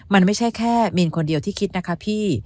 มันไม่ใช่แค่มีนคนเดียวที่คิดนะคะพี่